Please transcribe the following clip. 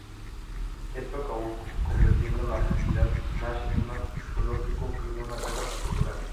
Esto acabó convirtiendo la propiedad más en un zoológico que en una casa particular.